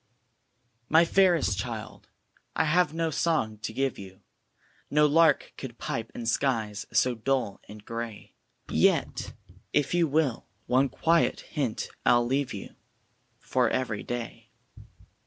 My fairest child, I have no song to give you; No lark could pipe in skies so dull and gray; Yet, if you will, one quiet hint I'll leave you, For every day.